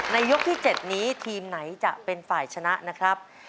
ยกที่๗นี้ทีมไหนจะเป็นฝ่ายชนะนะครับ